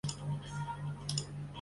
大分县大分市出身。